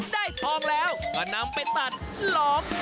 ได้ทองแล้วก็นำไปตัดหลอม